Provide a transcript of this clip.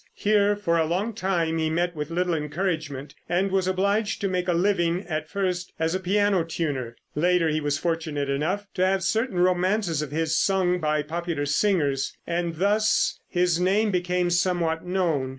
Here for a long time he met with little encouragement, and was obliged to make a living at first as a piano tuner; later he was fortunate enough to have certain romances of his sung by popular singers, and thus his name became somewhat known.